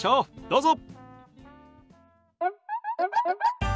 どうぞ。